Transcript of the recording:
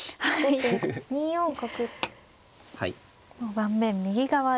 盤面右側で。